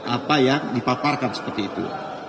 apa yang dipaparkan seperti itu